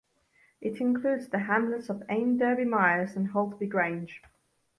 It includes the hamlets of Ainderby Mires and Holtby Grange.